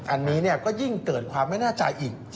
อันนี้ก็ยิ่งเกิดความไม่แน่ใจอีก